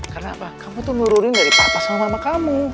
karena apa kamu tuh nururiin dari papa sama mama kamu